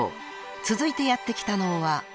［続いてやって来たのは］